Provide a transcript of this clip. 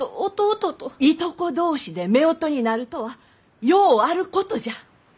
いとこ同士でめおとになるとはようあることじゃ！